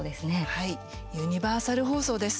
はい、ユニバーサル放送です。